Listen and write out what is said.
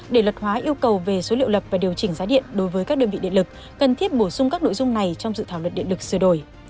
để luật hóa yêu cầu về số liệu lập và điều chỉnh giá điện đối với các đơn vị điện lực cần thiết bổ sung các nội dung này trong dự thảo luật điện lực sửa đổi